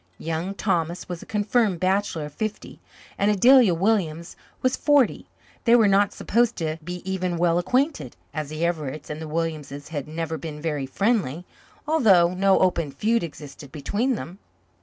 Young Thomas was a confirmed bachelor of fifty, and Adelia Williams was forty; they were not supposed to be even well acquainted, as the Everetts and the Williamses had never been very friendly, although no open feud existed between them.